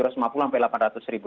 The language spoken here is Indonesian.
sampai delapan ratus ribu